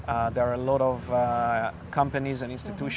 ada banyak perusahaan dan institusi